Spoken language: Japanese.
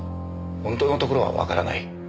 本当のところはわからない。